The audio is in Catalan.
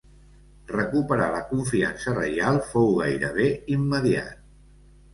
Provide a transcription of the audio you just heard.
Recuperar la confiança reial fou gairebé immediat.